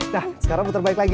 nah sekarang muter balik lagi